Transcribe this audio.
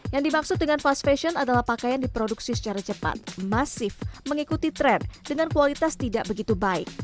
yang dimaksud dengan fast fashion adalah pakaian diproduksi secara cepat masif mengikuti tren dengan kualitas tidak begitu baik